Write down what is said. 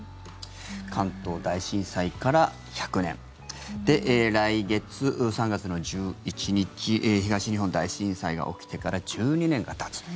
関東大震災から１００年で来月、３月の１１日東日本大震災が起きてから１２年がたつと。